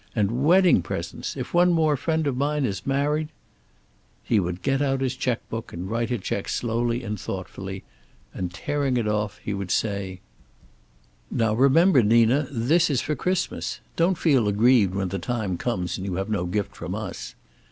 And wedding presents! If one more friend of mine is married " He would get out his checkbook and write a check slowly and thoughtfully. And tearing it off would say: "Now remember, Nina, this is for Christmas. Don't feel aggrieved when the time comes and you have no gift from us."